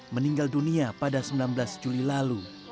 meninggal dunia pada sembilan belas juli lalu